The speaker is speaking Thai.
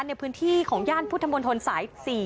ในพื้นที่ของย่านพุทธมนตรสาย๔